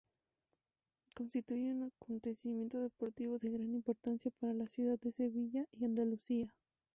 Constituye un acontecimiento deportivo de gran importancia para la ciudad de Sevilla y Andalucía.